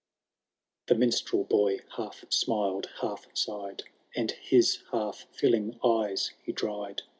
VII. The minstrelrboy half smiled, half tigh'd. And his half fillhig eyes he dried.